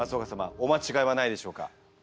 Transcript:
おまちがいはないでしょうか？